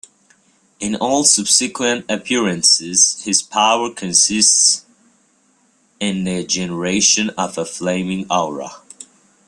In all subsequent appearances, his power consists in the generation of a flaming aura.